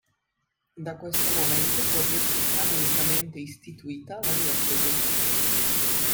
Da questo momento può dirsi canonicamente istituita la diocesi.